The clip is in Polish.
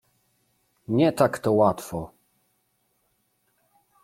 — Nie tak to łatwo.